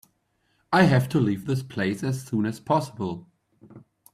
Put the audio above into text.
I have to leave this place as soon as possible.